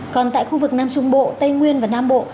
còn tại khu vực nam trung bộ tây nguyên và nam bộ